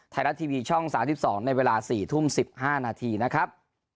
ไทยรัฐทีวีช่อง๓๒ในเวลา๔ทุ่ม๑๕นาทีนะครับ